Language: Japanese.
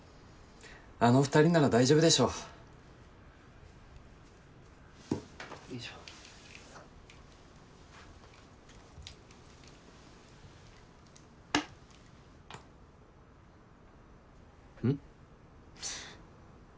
あの二人なら大丈夫でしょよいしょうん？